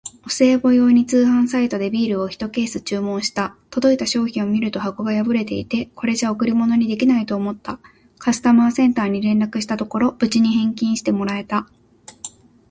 お歳暮用に通販サイトでビールをひとケース注文した。届いた商品を見ると箱が破れていて、これじゃ贈り物にできないと思った。カスタマーセンターに連絡したところ、無事返金してもらえた！